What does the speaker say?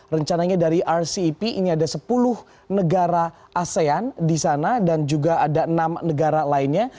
rencananya dari rcep ini ada sepuluh negara asean di sana dan juga ada enam negara lainnya